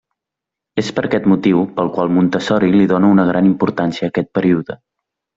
És per aquest motiu pel qual Montessori li dóna una gran importància a aquest període.